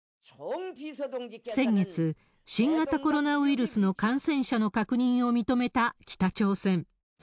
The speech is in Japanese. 先月、新型コロナウイルスの感染者の確認を認めた北朝鮮。